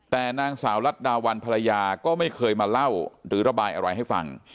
แต่นางสาวรัฐดาวันภรรยาก็ไม่เคยมาเล่าหรือระบายอะไรให้ฟัง